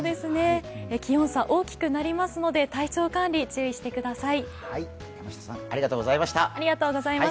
気温差大きくなりますので、体調管理気をつけてください。